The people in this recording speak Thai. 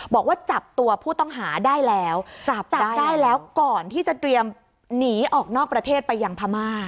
บอกว่าจับตัวผู้ต้องหาได้แล้วจับได้แล้วก่อนที่จะเตรียมหนีออกนอกประเทศไปยังพม่า